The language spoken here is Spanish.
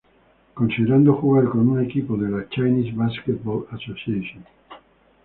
Considerando jugar con un equipo de la Chinese Basketball Association.